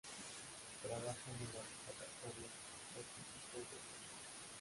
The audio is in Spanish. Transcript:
Trabaja en el Observatorio Astrofísico de Crimea.